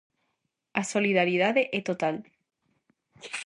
A solidariedade é total.